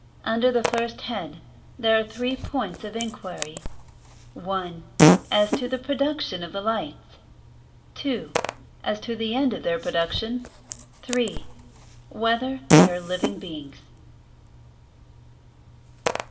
Under the first head there are three points of inquiry: (1) As to the production of the lights; (2) As to the end of their production; (3) Whether they are living beings?